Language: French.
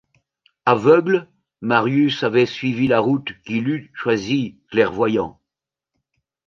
Aveugle, Marius avait suivi la route qu’il eût choisie clairvoyant.